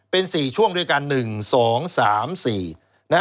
เป็น๔ช่วงด้วยกัน